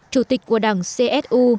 chủ tịch của đảng csu